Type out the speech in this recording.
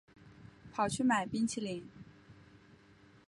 跑去买冰淇淋